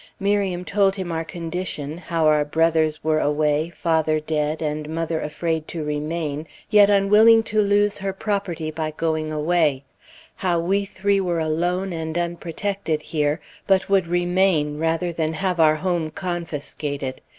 Miriam told him our condition, how our brothers were away, father dead, and mother afraid to remain, yet unwilling to lose her property by going away; how we three were alone and unprotected here, but would remain rather than have our home confiscated.